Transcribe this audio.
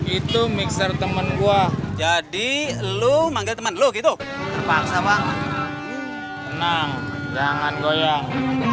itu mixer temen gua jadi lu manggel temen lu gitu terpaksa pak jangan goyang